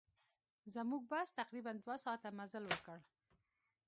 زموږ بس تقریباً دوه ساعته مزل وکړ.